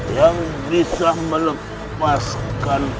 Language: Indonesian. yang bisa melepaskan